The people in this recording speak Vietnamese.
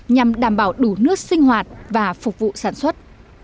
nhằm đảm bảo đủ nước sinh hoạt và phục vụ sản xuất